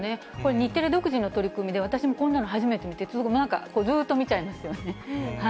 日テレ独自の取り組みで、私もこんなの初めて見て、なんかずっと見ちゃいますよね。